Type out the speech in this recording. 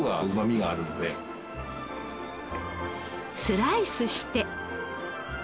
スライスして。